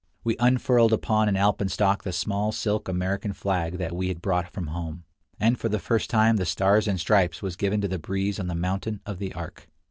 We unfurled upon an alpenstock the small silk American flag that we had brought from home, and for the first time the "stars and stripes" was given to the breeze on the Mountain of the Ark.